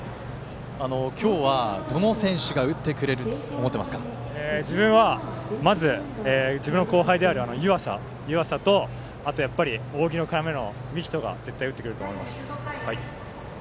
今日はどの選手が打ってくれると自分は、まず自分の後輩である湯浅と、扇の要の樹人が絶対打ってくれると思います。